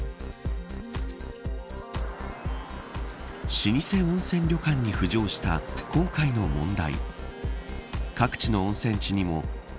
老舗温泉旅館に浮上した今回の問題。